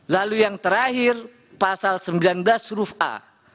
lalu yang terakhir pasal sembilan belas huruf a